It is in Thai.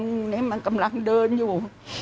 ลูกตำรวจกำลังเดินอยู่